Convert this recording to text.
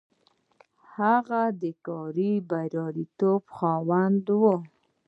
هغه د کاري برياليتوب خاوند و.